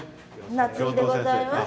夏井でございます。